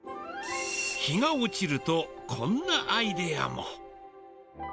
日が落ちると、こんなアイデアも。